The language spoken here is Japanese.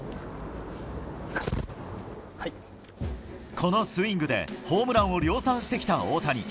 このスイングでホームランを量産してきた大谷。